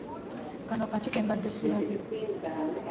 Kano kaki ke mbadde ssirabye?